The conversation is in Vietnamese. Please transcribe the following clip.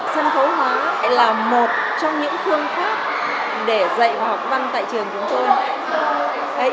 sân khấu hóa là một trong những phương pháp để dạy học văn tại trường chúng tôi